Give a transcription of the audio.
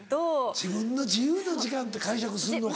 自分の自由の時間って解釈すんのか。